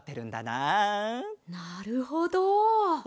なるほど。